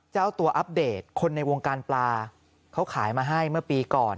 เจ้าตัวอัปเดตคนในวงการปลาเขาขายมาให้เมื่อปีก่อน